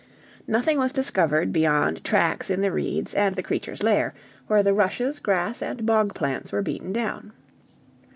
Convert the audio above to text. Nothing was discovered beyond tracks in the reeds and the creature's lair; where the rushes, grass, and bog plants were beaten down.